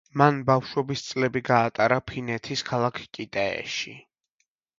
მან ბავშვობის წლები გაატარა ფინეთის ქალაქ კიტეეში.